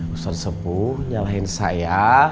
ustadz sepuh nyalahin saya